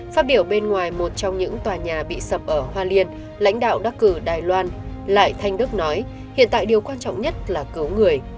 phát biểu bên ngoài một trong những tòa nhà bị sập ở hoa liên lãnh đạo đắc cử đài loan lại thanh đức nói hiện tại điều quan trọng nhất là cứu người